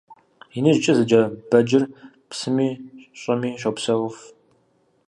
«ИныжькIэ» зэджэ бэджыр псыми щIыми щопсэуф.